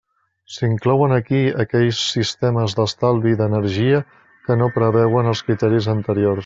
S'inclouen aquí aquells sistemes d'estalvi d'energia que no preveuen els criteris anteriors.